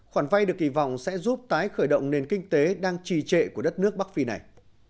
khoản vay được kỳ vọng sẽ giúp tái khởi động nền kinh tế đang trì trệ của đất nước bắc phi này